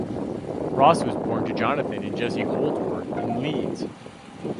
Ross was born to Jonathan and Jessie Holdsworth in Leeds.